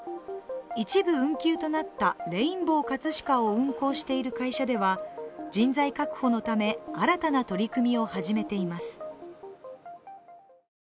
一部運休となったレインボーかつしかを運行している会社では、人材確保のため、新たな取り組みを始めています。